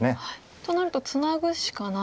となるとツナぐしかない。